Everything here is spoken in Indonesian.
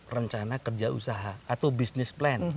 rencana kerja usaha atau bisnis plan